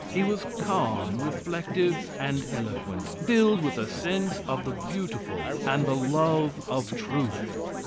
He was calm, reflective and eloquent; filled with a sense of the beautiful, and the love of truth.